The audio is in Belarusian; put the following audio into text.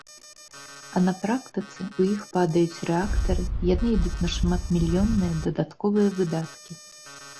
А на практыцы ў іх падаюць рэактары, яны ідуць на шматмільённыя дадатковыя выдаткі.